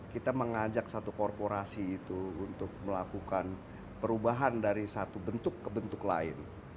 kita mengajak satu korporasi itu untuk melakukan perubahan dari satu bentuk ke bentuk lain